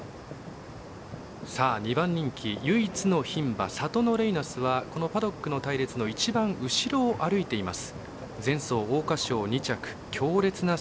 ２番人気、唯一の牝馬サトノレイナスはこのパドックの隊列の一番後ろを歩いています。